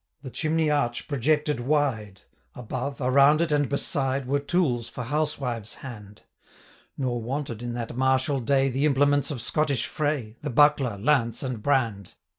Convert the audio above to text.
50 The chimney arch projected wide; Above, around it, and beside, Were tools for housewives' hand; Nor wanted, in that martial day, The implements of Scottish fray, 55 The buckler, lance, and brand.